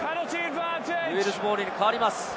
ウェールズボールに変わります。